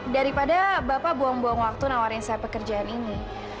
daripada bapak buang buang waktu nawarin saya pekerjaan ini